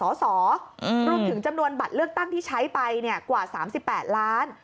สสรวมถึงจำนวนบัตรเลือกตั้งที่ใช้ไปกว่า๓๘ล้าน